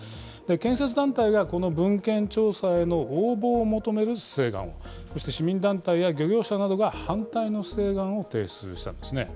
建設団体がこの文献調査への応募を求める請願を、そして市民団体や漁業者などが反対の請願を提出したんですね。